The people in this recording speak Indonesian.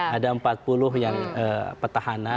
ada empat puluh yang petahana